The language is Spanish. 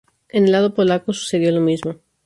En el lado polaco sucedió lo mismo.